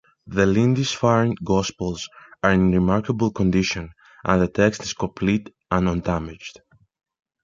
The Lindisfarne Gospels are in remarkable condition and the text is complete and undamaged.